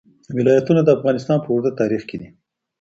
ولایتونه د افغانستان په اوږده تاریخ کې دي.